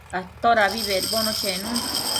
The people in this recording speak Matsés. Todabi bedbono chenun